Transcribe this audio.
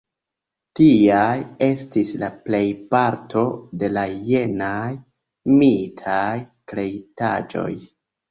Tiaj estis la plejparto de la jenaj mitaj kreitaĵoj.